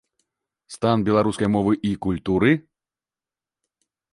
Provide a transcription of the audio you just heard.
Стан беларускай мовы і культуры?